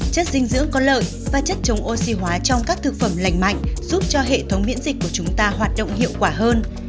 chất dinh dưỡng có lợi và chất chống oxy hóa trong các thực phẩm lành mạnh giúp cho hệ thống miễn dịch của chúng ta hoạt động hiệu quả hơn